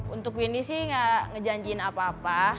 untuk windy sih nggak ngejanjiin apa apa